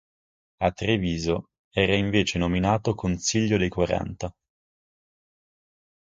A Treviso era invece nominato Consiglio dei Quaranta.